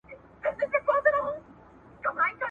وږی ګرځي خو مغرور لکه پاچا وي !.